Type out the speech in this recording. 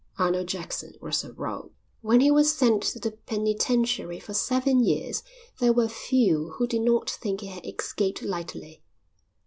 Arnold Jackson was a rogue. When he was sent to the penitentiary for seven years there were few who did not think he had escaped lightly.